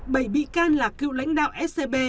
bảy bị can là cựu lãnh đạo scb